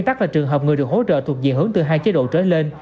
trường hợp người được hỗ trợ thuộc diện hướng từ hai chế độ trở lên